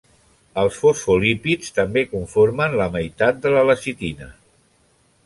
Els fosfolípids també conformen la meitat de la lecitina.